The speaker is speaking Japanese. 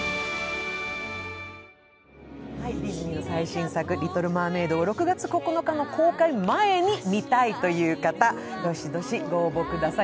ディズニーの最新作「リトル・マーメイド」を６月の公開前に見たいという方、どんどんご応募ください。